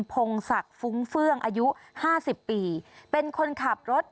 พงศักดิ์ฟุ้งเฟื่องอายุ๕๐ปีเป็นคนขับรถ